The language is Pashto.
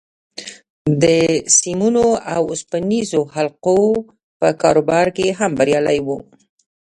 د سيمونو او اوسپنيزو حلقو په کاروبار کې هم بريالی و.